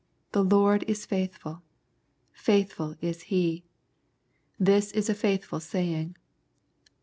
" The Lord is faithful." "Faithful is He." "This is a faithful saying."